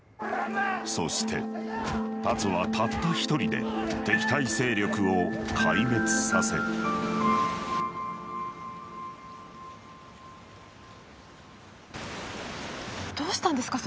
そして龍はたった一人で敵対勢力を壊滅させどうしたんですか？